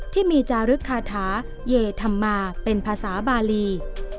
ที่มีจารึกคาถาเยธรรมาเป็นภาษาบาลี